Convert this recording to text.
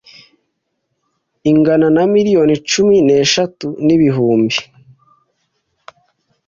ingana na miliyoni cumi n eshatu n ibihumbi